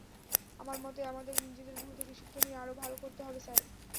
আমার মতে আমাদের নিজেদের ভুল থেকে শিক্ষা নিয়ে আরো ভালো করতে হবে, স্যার।